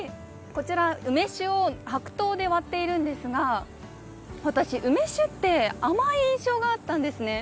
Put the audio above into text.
こちら梅酒を白桃で割っているんですが私梅酒って甘い印象があったんですね。